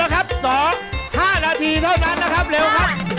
เอาละครับสองห้านาทีเท่านั้นนะครับเร็วครับ